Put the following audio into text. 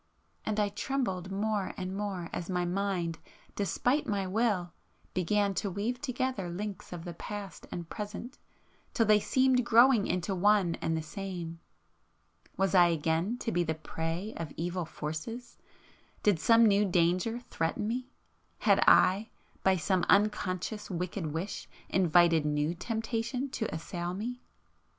——and I trembled more and more as my mind, despite my will, began to weave together links of the past and present, till they seemed growing into one and the same. Was I again to be the prey of evil forces?——did some new danger [p 486] threaten me?—had I, by some unconscious wicked wish invited new temptation to assail me?